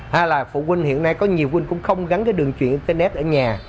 hai là phụ huynh hiện nay có nhiều huynh cũng không gắn cái đường truyền internet ở nhà